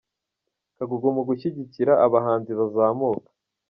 Kagugu mu gushyigikira abahanzi bazamuka